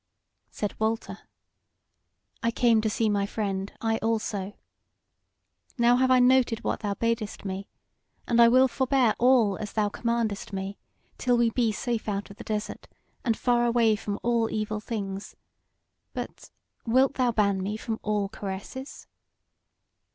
Said Walter: "I came to see my friend, I also. Now have I noted what thou badest me; and I will forbear all as thou commandest me, till we be safe out of the desert and far away from all evil things; but wilt thou ban me from all caresses?"